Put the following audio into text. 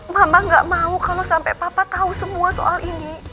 mama gak mau kalau sampai papa tahu semua soal ini